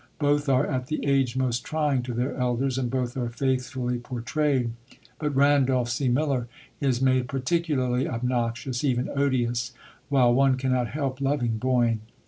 Both are at the age most trying to their elders, and both are faithfully portrayed; but Randolph C. Miller is made particularly obnoxious, even odious, while one cannot help loving Boyne.